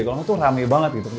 kalau tuh rame banget gitu